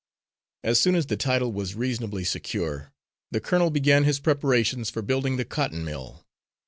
As soon as the title was reasonably secure, the colonel began his preparations for building the cotton mill.